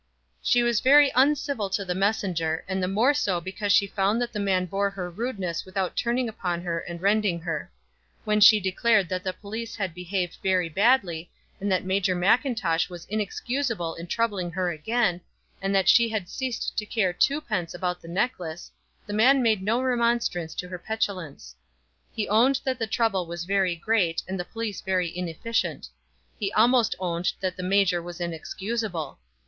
She was very uncivil to the messenger, and the more so because she found that the man bore her rudeness without turning upon her and rending her. When she declared that the police had behaved very badly, and that Major Mackintosh was inexcusable in troubling her again, and that she had ceased to care twopence about the necklace, the man made no remonstrance to her petulance. He owned that the trouble was very great, and the police very inefficient. He almost owned that the major was inexcusable.